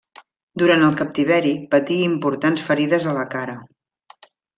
Durant el captiveri patí importants ferides a la cara.